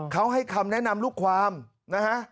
เขาให้คำแนะนำลูกความนะฮะ